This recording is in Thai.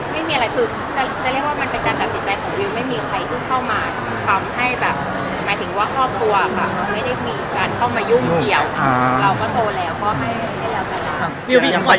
ไม่ได้มีการเข้ามายุ่งเกี่ยว